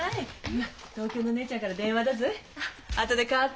今東京の姉ちゃんから電話だぞい。